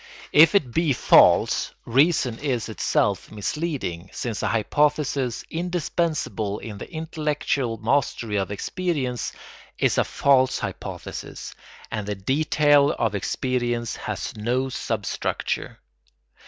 If it be false, reason is itself misleading, since a hypothesis indispensable in the intellectual mastery of experience is a false hypothesis and the detail of experience has no substructure.